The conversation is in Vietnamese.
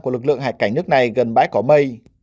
của lực lượng hải cảnh nước này gần bãi cỏ mây